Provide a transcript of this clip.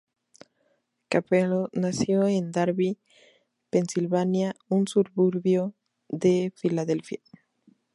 Cappello nació en Darby, Pensilvania, un suburbio de Filadelfia.